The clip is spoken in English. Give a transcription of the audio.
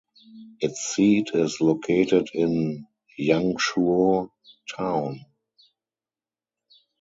Its seat is located in Yangshuo Town.